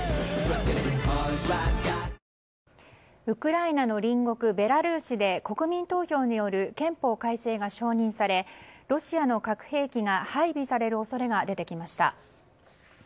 ウクライナの隣国ベラルーシで国民投票による憲法改正が承認されロシアの核兵器が配備される恐れが出てきました。